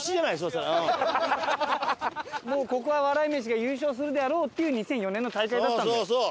もうここは笑い飯が優勝するであろうっていう２００４年の大会だったんだよ